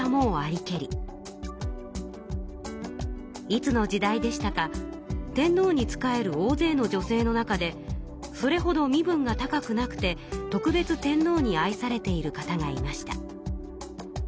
「いつの時代でしたか天のうに仕える大ぜいの女性の中でそれほど身分が高くなくて特別天のうに愛されている方がいました」。